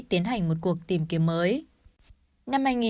tiến hành một cuộc tìm kiếm mới